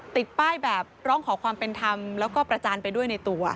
ติดป้ายแบบร้องขอความเป็นธรรมแล้วก็ประจานไปด้วยในตัว